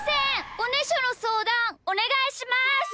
おねしょのそうだんおねがいします！